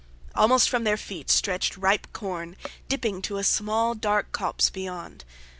Almost from their feet stretched ripe corn, dipping to a small dark copse beyond.